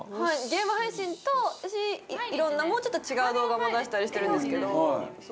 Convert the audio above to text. ゲーム配信と私いろんなもうちょっと違う動画も出したりしてるんですけど。